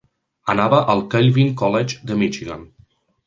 Anava al Calvin College de Michigan.